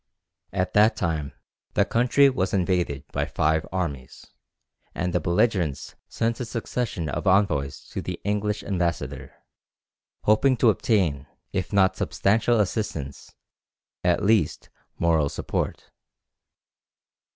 At that time the country was invaded by five armies, and the belligerents sent a succession of envoys to the English ambassador, hoping to obtain, if not substantial assistance, at least moral support.